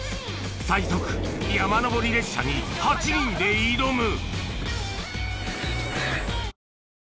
最速山登り列車に８人で挑む！